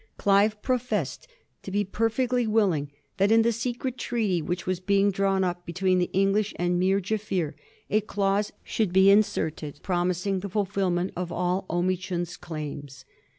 Clive professed to be perfectly willing that in the secret treaty which was being drawn up between the English and Meer Jaffier a clause should be inserted promising the fulfilment of all Omichund's claims.